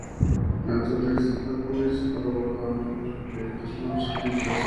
Lanzó tres álbumes, y colaboró a menudo en proyectos con otros artistas.